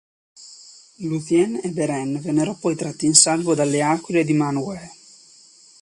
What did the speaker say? Lúthien e Beren vennero poi tratti in salvo dalle aquile di Manwë.